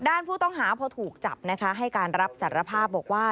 ด้านผู้ต้องหาพอถูกจับนะคะให้การรับสารภาพบอกว่า